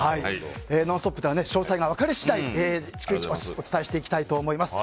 「ノンストップ！」では詳細が分かり次第逐一、お伝えしていきたいと思います。